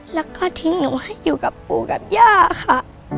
แล้วก็ทิ้งหนูให้อยู่กับปู่กับย่าค่ะ